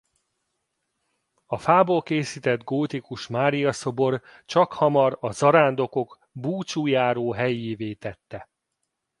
A fából készített gótikus Mária-szobor csakhamar a zarándokok búcsújáróhelyévé tette.